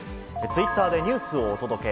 ツイッターでニュースをお届け。